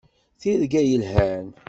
Tirga yelhan.